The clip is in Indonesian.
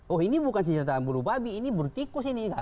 oh ini bukan senjata berubah ini bertikus ini